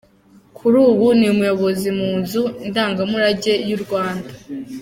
Kuri ubu ni umuyobozi mu nzu ndangamurange y’u Rwanda.